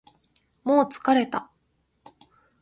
もう疲れた